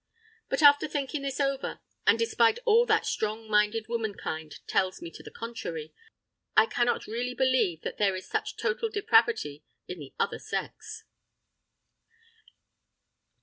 But after thinking this over, and despite all that strong minded womankind tells me to the contrary, I cannot really believe that there is such total depravity in the other sex!